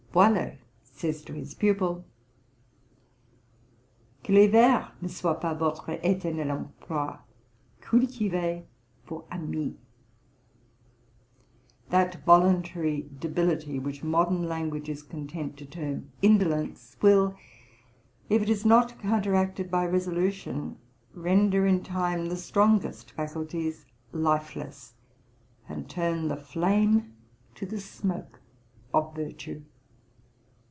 Boileau says to his pupil, 'Que les vers ne soient pas votre éternel emploi, Cultivez vos amis.' That voluntary debility, which modern language is content to term indolence, will, if it is not counteracted by resolution, render in time the strongest faculties lifeless, and turn the flame to the smoke of virtue.